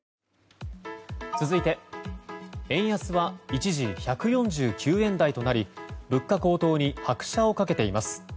続いて、円安は一時１４９円台となり物価高騰に拍車を掛けています。